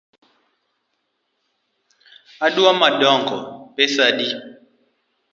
Adwa madongo, pesa adi?